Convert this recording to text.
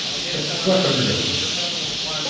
Ad tettwaḥemmlemt.